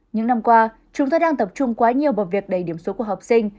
những năm qua chúng ta đang tập trung quá nhiều vào việc đầy điểm số của học sinh